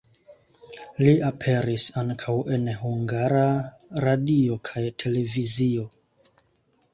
Li aperis ankaŭ en Hungara Radio kaj Televizio.